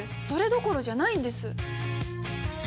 それどころじゃないんです！